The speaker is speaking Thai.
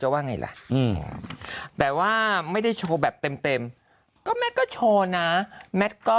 ว่าไงล่ะแต่ว่าไม่ได้โชว์แบบเต็มก็แมทก็โชว์นะแมทก็